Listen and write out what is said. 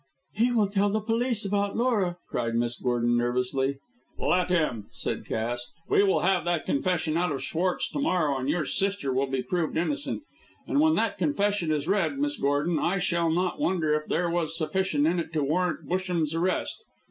"He will tell the police about Laura," cried Miss Gordon, nervously. "Let him," said Cass. "We will have that confession out of Schwartz to morrow, and your sister will be proved innocent; and when that confession is read, Miss Gordon, I should not wonder if there was sufficient in it to warrant Busham's arrest.